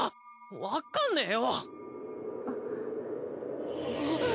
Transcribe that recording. わかんねえよ！